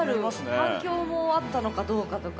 反響もあったのかどうかとか。